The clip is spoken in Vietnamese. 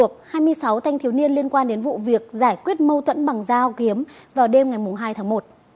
xác minh được hai mươi sáu thanh thiếu niên liên quan đến vụ việc giải quyết mâu thuẫn bằng dao kiếm vào đêm ngày hai tháng một